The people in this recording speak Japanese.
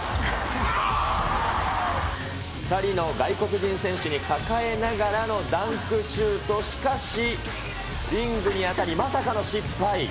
２人の外国人選手に抱えながらのダンクシュート、しかし、リングに当たり、まさかの失敗。